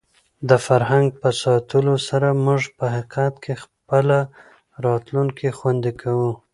د فرهنګ په ساتلو سره موږ په حقیقت کې خپله راتلونکې خوندي کوو.